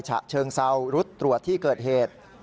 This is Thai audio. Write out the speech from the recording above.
ฉะเชิงเซารุดตรวจที่เกิดเหตุ